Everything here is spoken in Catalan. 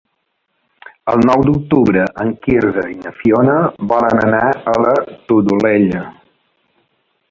El nou d'octubre en Quirze i na Fiona volen anar a la Todolella.